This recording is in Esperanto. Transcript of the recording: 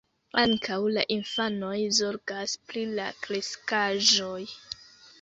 Ankaŭ la infanoj zorgas pri la kreskaĵoj.